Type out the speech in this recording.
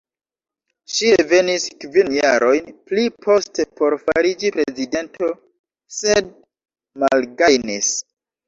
Ŝi revenis kvin jarojn pliposte por fariĝi prezidento sed malgajnis.